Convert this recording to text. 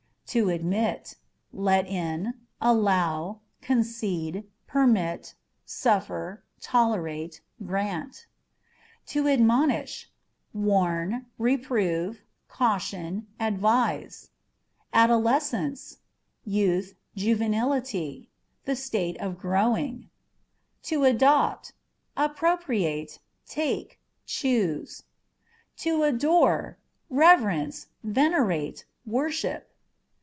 To Admit â€" let in, allow, concede, permit, suffer, tolerate, grant. To Admonish â€" warn, reprove, caution, advise. Adolescence â€" youth, juvenility ; the state of growing. To Adopt â€" appropriate, take, choose. To Adore â€" reverence, venerate, worship.